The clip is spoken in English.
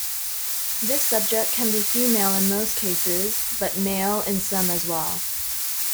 This subject can be female in most cases, but male in some as well.